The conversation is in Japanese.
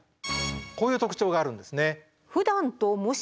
こういう特徴があるんですね。